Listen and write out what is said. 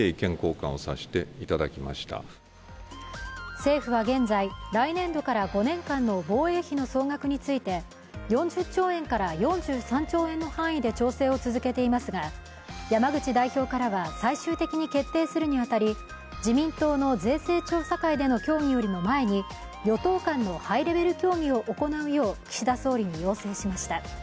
政府は現在、来年度から５年間の防衛費の総額について４０兆円から４３兆円の範囲で調整を続けていますが山口代表からは、最終的に決定するに当たり、自民党の税制調査会の協議の前に与党間のハイレベル協議を行うよう岸田総理に要請しました。